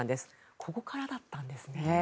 ここからだったんですね。